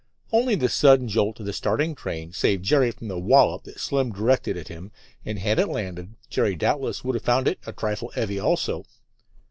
Only the sudden jolt of the starting train saved Jerry from the wallop that Slim directed at him; and had it landed, Jerry doubtless would have found it "a trifle 'eavy," also.